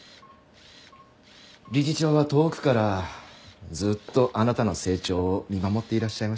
理事長は遠くからずっとあなたの成長を見守っていらっしゃいました。